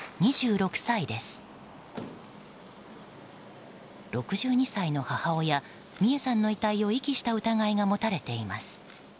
６２歳の母親・美恵さんの遺体を遺棄した疑いが持たれています。